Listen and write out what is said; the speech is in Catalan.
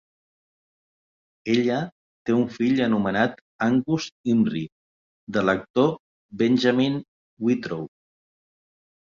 Ella té un fill anomenat Angus Imrie de l'actor Benjamin Whitrow.